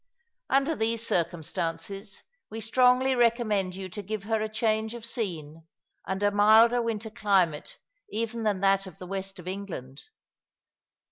Under these circumstances, we strongly recommend you to give her a change of scene, and a milder winter climate even than that of the west of England.